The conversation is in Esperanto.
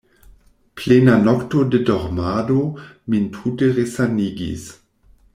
Plena nokto de dormado min tute resanigis.